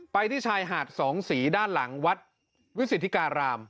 ที่ชายหาดสองสีด้านหลังวัดวิสิทธิการาม